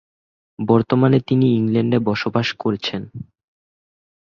বর্তমানে তিনি ইংল্যান্ডে বসবাস করছেন।